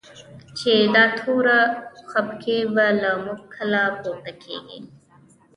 چی دا توره خپکی به؛ له موږ کله پورته کیږی